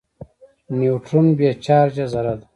نیوټرون بې چارجه ذره ده.